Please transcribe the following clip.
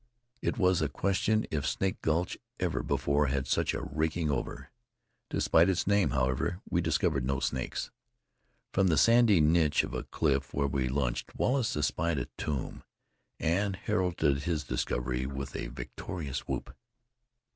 It was a question if Snake Gulch ever before had such a raking over. Despite its name, however, we discovered no snakes. From the sandy niche of a cliff where we lunched Wallace espied a tomb, and heralded his discovery with a victorious whoop.